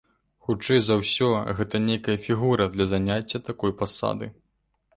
Хутчэй за ўсё, гэта нейкая фігура для заняцця такой пасады.